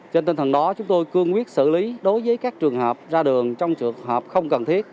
trên tinh thần đó chúng tôi cương quyết xử lý đối với các trường hợp ra đường trong trường hợp không cần thiết